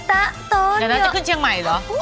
อย่างนั้นจะขึ้นเชียงใหม่หรอ